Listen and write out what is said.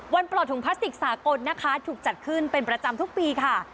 ปลอดถุงพลาสติกสากลนะคะถูกจัดขึ้นเป็นประจำทุกปีค่ะ